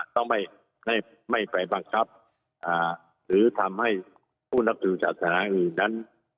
ต้องไม่ไปบังคับหรือทำให้ผู้นับถือศาสนาอื่นนั้น